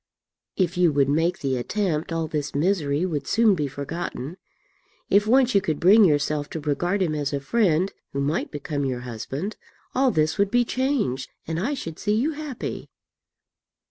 "If you would make the attempt, all this misery would soon be forgotten. If once you could bring yourself to regard him as a friend, who might become your husband, all this would be changed, and I should see you happy!"